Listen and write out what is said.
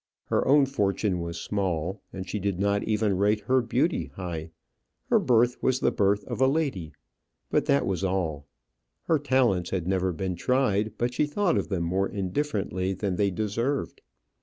Her own fortune was small, and she did not even rate her beauty high. Her birth was the birth of a lady, but that was all; her talents had never been tried, but she thought of them more indifferently than they deserved.